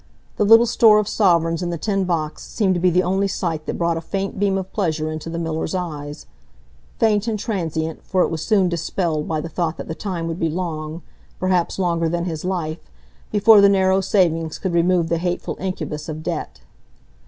The little store of sovereigns in the tin box seemed to be the only sight that brought a faint beam of pleasure into the miller's eyes,—faint and transient, for it was soon dispelled by the thought that the time would be long—perhaps longer than his life,—before the narrow savings could remove the hateful incubus of debt.